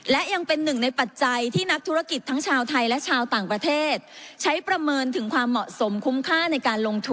และยังเป็นหนึ่งในปัจจัยที่นักธุรกิจทั้งชาวไทยและชาวต่างประเทศใช้ประเมินถึงความเหมาะสมคุ้มค่าในการลงทุน